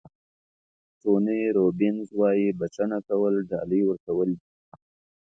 ټوني روبینز وایي بښنه کول ډالۍ ورکول دي.